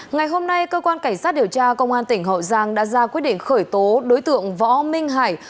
ngày hôm nay cơ quan cảnh sát điều tra công an tỉnh hậu giang đã ra quyết định khởi tố đối tượng võ minh hải